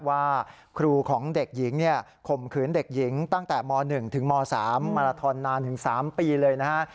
ว่าครูของเด็กหญิงข่มขืนเด็กหญิงตั้งแต่ม๑ถึงม๓มาราทอนนานถึง๓ปีเลยนะฮะ